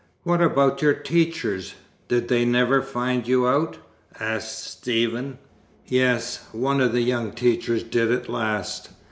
"What about your teachers? Did they never find you out?" asked Stephen. "Yes. One of the young teachers did at last.